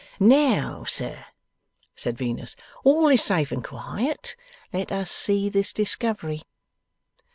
'Now, sir,' said Venus, 'all is safe and quiet. Let us see this discovery.